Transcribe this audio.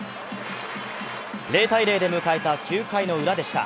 ０−０で迎えた９回の裏でした。